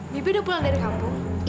bibi udah pulang dari kampung